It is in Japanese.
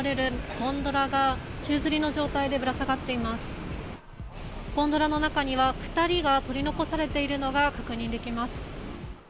ゴンドラの中には２人が取り残されているのが確認できます。